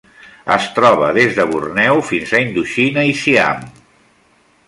Es troba des de Borneo fins a Indoxina i Siam.